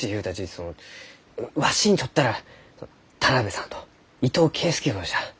そのわしにとったら田邊さんと伊藤圭介翁じゃ。